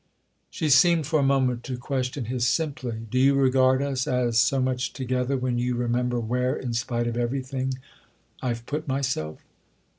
She seemed for a moment to question his "simply." "Do you regard us as so much 'together' when you remember where, in spite of everything, I've put myself?"